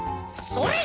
それ。